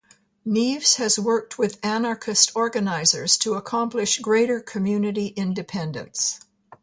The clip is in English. Nieves has worked with "anarchist organizers" to accomplish greater community independence.